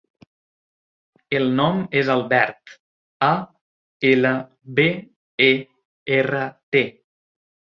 El nom és Albert: a, ela, be, e, erra, te.